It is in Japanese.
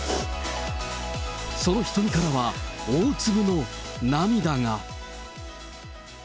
その瞳からは大粒の涙が。